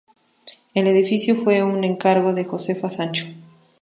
El edificio fue un encargo de Josefa Sancho.